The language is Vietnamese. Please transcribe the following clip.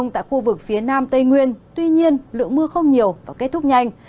tuy nhiên lượng mưa không nhiều và kết thúc nhanh